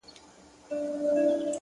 اخلاص د بریالۍ اړیکې روح دی!